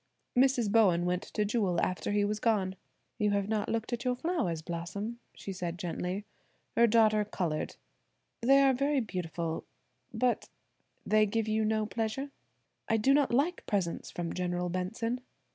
Mrs. Bowen went to Jewel after he was gone. "You have not looked at your flowers, Blossom," she said gently. Her daughter colored. "They are very beautiful, but–" "They give you no pleasure?" "I do not like presents from General Benson."